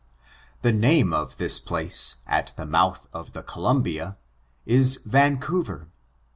The name of this place, at the mouth of the Col umbia, is Vancouver.